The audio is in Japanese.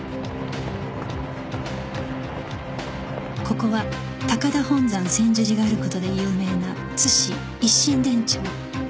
ここは高田本山専修寺がある事で有名な津市一身田町